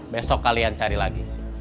besok kalian cari lagi